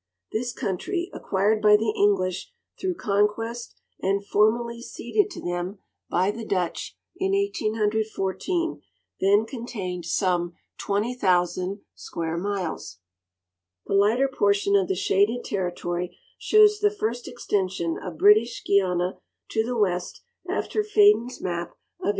This country, acquired by the English through con quest and formally ceded to them by the Butch in 1814, then contained sqrne 20,000 square miles. The lighter portion of the shaded territory shows the first extension of British Guiana to the west after Fadon's map of 1820.